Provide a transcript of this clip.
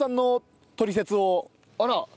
あら！